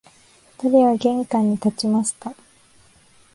二人は玄関に立ちました